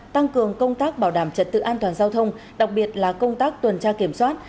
tăng cường công tác bảo đảm trật tự an toàn giao thông đặc biệt là công tác tuần tra kiểm soát